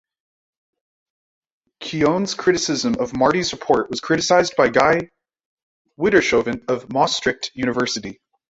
Keown's criticism of Marty's report was criticised by Guy Widdershoven of Maastricht University.